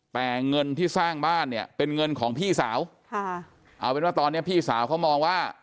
แต่เงินที่สร้างบ้านเนี่ยเป็นเงินของพี่สาวค่ะเอาเป็นว่าตอนนี้พี่สาวเขามองว่า